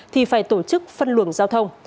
thì phải tổ chức phân luồng giao thông